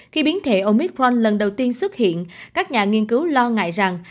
khi biến thể omicron lần đầu tiên xuất hiện các nhà nghiên cứu lo ngại rằng